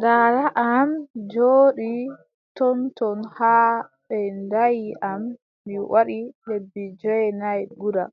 Daada am jooɗi ton ton haa ɓe danyi am mi waɗi lebbi joweenay guda.